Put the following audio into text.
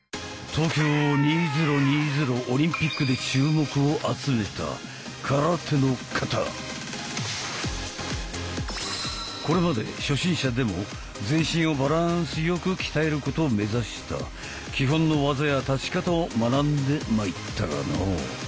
東京２０２０オリンピックで注目を集めたこれまで初心者でも全身をバランスよく鍛えることを目指した基本の技や立ち方を学んでまいったがのう。